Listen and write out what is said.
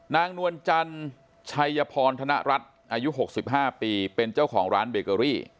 นวลจันทร์ชัยพรธนรัฐอายุ๖๕ปีเป็นเจ้าของร้านเบเกอรี่